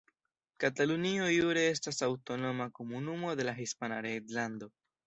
Katalunio jure estas aŭtonoma komunumo de la Hispana reĝlando.